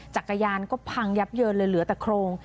จักรยานก็พังยับเยินเลยเหลือแต่โครง